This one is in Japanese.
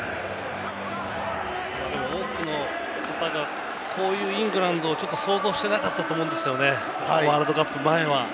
多くの方がこういうイングランドをちょっと想像してなかったと思うんですよね、ワールドカップ前は。